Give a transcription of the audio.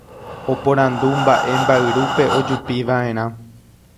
Oporandu mba'e mba'yrúpe ojupiva'erã.